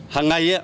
hàng ngày á